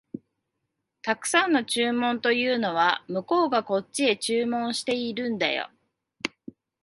沢山の注文というのは、向こうがこっちへ注文してるんだよ